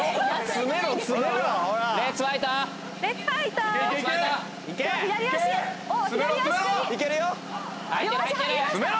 詰めろ！